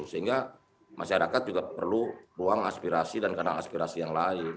sehingga masyarakat juga perlu ruang aspirasi dan kenal aspirasi yang lain